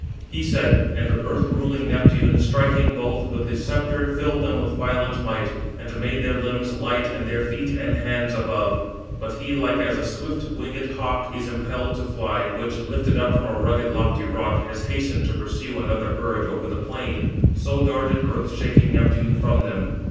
He said, and earth ruling Neptune, striking both with his sceptre, filled them with violent might, and made their limbs light and their feet and hands above. But he, like as a swift winged hawk is impelled to fly, which, lifted up from a rugged, lofty rock, has hastened to pursue another bird over the plain; so darted earth shaking Neptune from them.